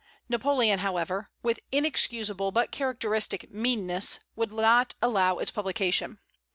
Napoleon however, with inexcusable but characteristic meanness, would not allow its publication.